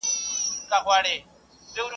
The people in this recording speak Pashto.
مونږ به یو پیاوړی نظام جوړ کړو.